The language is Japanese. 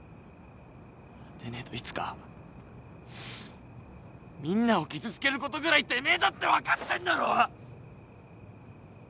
でねえといつかみんなを傷つけることぐらいてめえだって分かってんだろ！？